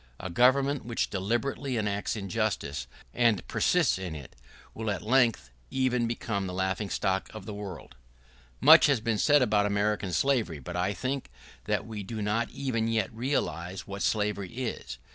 A government which deliberately enacts injustice, and persists in it, will at length even become the laughing stock of the world. [¶17] Much has been said about American slavery, but I think that we do not even yet realize what slavery is.